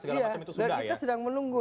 dan kita sedang menunggu